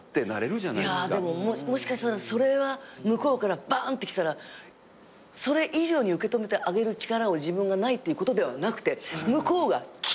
もしかしたらそれは向こうからバンって来たらそれ以上に受け止めてあげる力を自分がないってことではなくて向こうが来た。